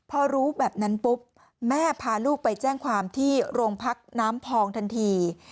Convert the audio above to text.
พอรู้แบบนั้นปุ๊บแม่พาลูกไปแจ้งความที่โรงพักน้ำพองทันที